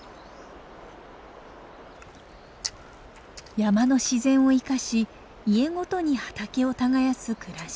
山の自然を生かし家ごとに畑を耕す暮らし。